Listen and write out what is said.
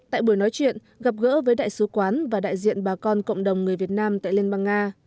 tại buổi nói chuyện gặp gỡ với đại sứ quán và đại diện bà con cộng đồng người việt nam tại liên bang nga